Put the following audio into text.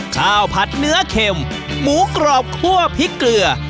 ข้าวผัดเนื้อเข็มหมูกรอบคั่วพริกเกลือ